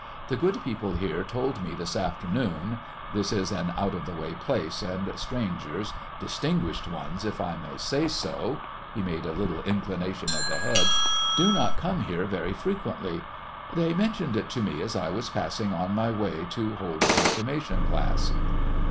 The good people here told me this afternoon—this is an out of the way place, and strangers, distinguished ones, if I may say so," he made a little inclination of the head, "do not come here very frequently: they mentioned it to me as I was passing on my way to hold a confirmation class...."